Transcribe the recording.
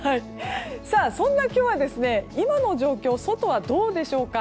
そんな今日は今の状況、外はどうでしょうか。